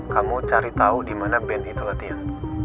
kamu cari tau dimana band itu latihan